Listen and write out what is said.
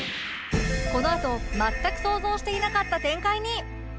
このあと全く想像していなかった展開に